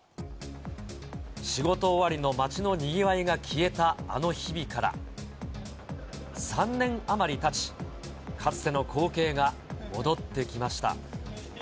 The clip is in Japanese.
仕事終わりの街のにぎわいが消えたあの日々から、３年余りたち、かつての光景が戻ってきました。